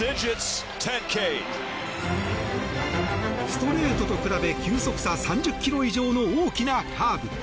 ストレートと比べ球速差３０キロ以上の大きなカーブ。